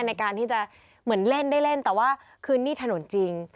ในการที่จะเหมือนเล่นแต่ว่านี้ถนนจริง